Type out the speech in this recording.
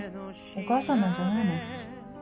お母さんなんじゃないの？